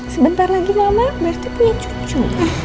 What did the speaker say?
sebentar lagi mama berarti punya cucu